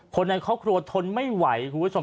คนนั้นเขากลัวทนไม่ไหวคุณผู้ชม